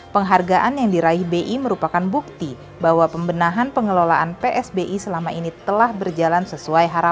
penghargaan yang diraih bi merupakan bukti bahwa pembenahan pengelolaan psbi selama ini telah berjalan sesuai harapan